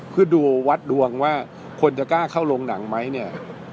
เพื่อดูวัดดวงว่าคนจะกล้าเข้าโรงหนังไหมเนี่ย